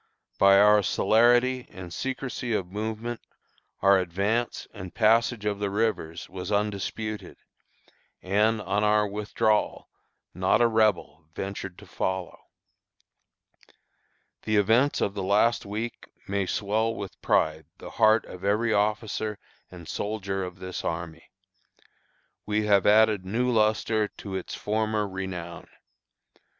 "By our celerity and secrecy of movement, our advance and passage of the rivers was undisputed, and, on our withdrawal, not a Rebel ventured to follow. "The events of the last week may swell with pride the heart of every officer and soldier of this army. We have added new lustre to its former renown.